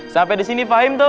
sampai disini paham tuh